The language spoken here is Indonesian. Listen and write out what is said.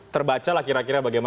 terbacalah kira kira bagaimana